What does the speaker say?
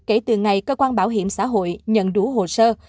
kể từ ngày cơ quan bảo hiểm xã hội nhận đủ hồ sơ